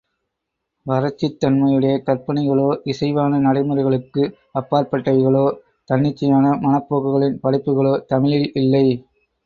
வரட்சித்தன்மையுடைய கற்பனைகளோ, இசைவான நடைமுறைகளுக்கு அப்பாற்பட்டவைகளோ, தன்னிச்சையான மனப் போக்குகளின் படைப்புகளோ தமிழில் இல்லை.